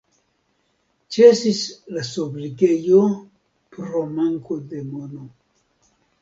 Ĉesis la sobrigejo pro manko de mono.